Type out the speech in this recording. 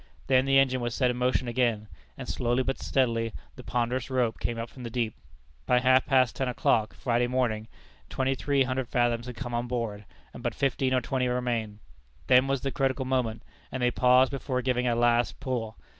Then the engine was set in motion again, and slowly but steadily the ponderous rope came up from the deep. By half past ten o'clock, Friday morning, twenty three hundred fathoms had come on board, and but fifteen or twenty remained. Then was the critical moment, and they paused before giving a last pull.